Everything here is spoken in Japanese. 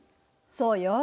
そうよ。